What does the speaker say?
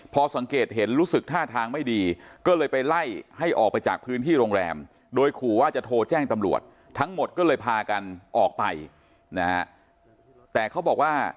พากันออกไปนะฮะแต่เขาบอกว่า